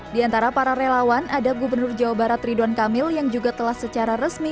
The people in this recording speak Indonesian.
di antara para relawan ada gubernur jawa barat ridwan kamil yang juga telah secara resmi